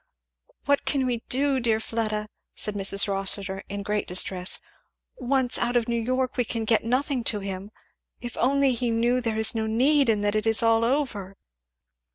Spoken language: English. "What can we do, dear Fleda?" said Mrs. Rossitur in great distress. "Once out of New York and we can get nothing to him! If he only knew that there is no need, and that it is all over!